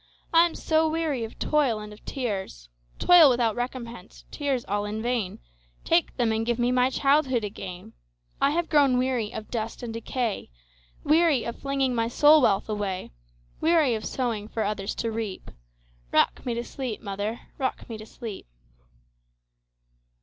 I am so weary of toil and of tears,—Toil without recompense, tears all in vain,—Take them, and give me my childhood again!I have grown weary of dust and decay,—Weary of flinging my soul wealth away; Weary of sowing for others to reap;—Rock me to sleep, mother,—rock me to sleep!